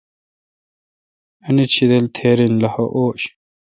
انت شیدل تھیرا ین لخہ اوݭ